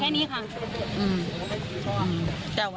และมีความหวาดกลัวออกมา